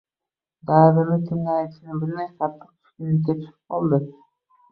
Dardini kimga aytishni bilmay qattiq tushkunlikka tushib qoldi